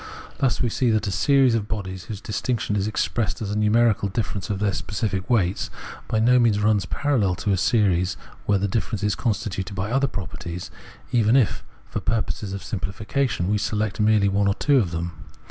Thus we see that a series of bodies, whose distinction is expressed as a numerical difference of their specific weights, by no means runs parallel to a series where the difference is constituted by other properties, even if, for purposes of simpHfication, we select merely one or two of them.